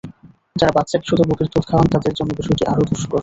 যারা বাচ্চাকে শুধু বুকের দুধ খাওয়ান, তাঁদের জন্য বিষয়টি আরও দুষ্কর।